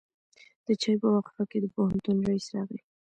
د چای په وقفه کې د پوهنتون رئیس راغی.